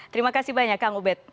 terima kasih banyak kang ubed